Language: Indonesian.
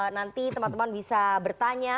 nanti teman teman bisa bertanya